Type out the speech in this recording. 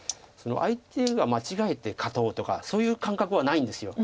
相手が間違えて勝とうとかそういう感覚はないんです。